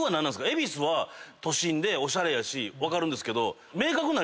恵比寿は都心でおしゃれやし分かるんですけど。